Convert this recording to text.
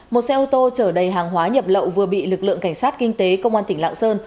một xe ô tô chở đầy hàng hóa nhập lậu vừa bị lực lượng cảnh sát kinh tế công an tỉnh lạng sơn